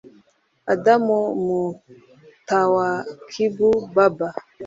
Adam Mutawakilu Baba